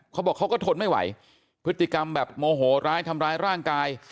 เขาบอกเขาก็ทนไม่ไหวพฤติกรรมแบบโมโหร้ายทำร้ายร่างกาย